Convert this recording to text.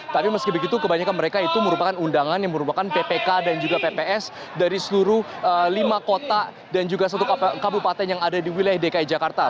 tapi meski begitu kebanyakan mereka itu merupakan undangan yang merupakan ppk dan juga pps dari seluruh lima kota dan juga satu kabupaten yang ada di wilayah dki jakarta